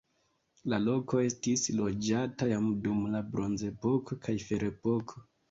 La loko estis loĝata jam dum la bronzepoko kaj ferepoko.